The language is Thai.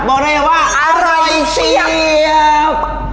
บอกได้ว่าอ่าโหยเกียบ